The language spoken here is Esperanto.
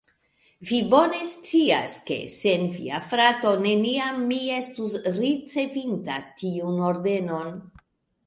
Vi bone scias, ke sen via frato neniam mi estus ricevinta tiun ordenon.